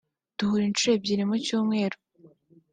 duhura inshuro ebyiri mu cyumweru